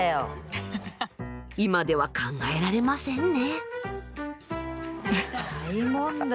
今では考えられませんね。